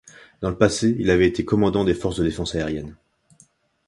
Dans le passé, il avait été commandant des forces de défense aérienne.